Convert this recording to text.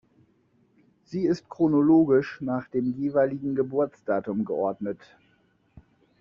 Sie ist chronologisch nach dem jeweiligen Geburtsdatum geordnet.